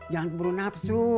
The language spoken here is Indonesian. jangan perlu nafsu